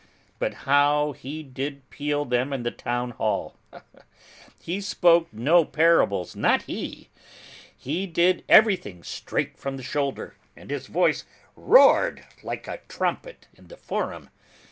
But how he did peel them in the town hall: he spoke no parables, not he! He did everything straight from the shoulder and his voice roared like a trumpet in the forum.